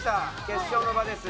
決勝の場です。